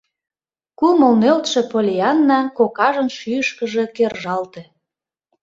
Кумыл нӧлтшӧ Поллианна кокажын шӱйышкыжӧ кержалте.